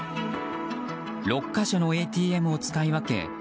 ６か所のＡＴＭを使い分け